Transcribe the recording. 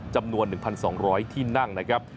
จำนวน๑๒๐๐ที่นั่งนะครับ